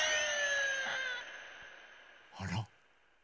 あら？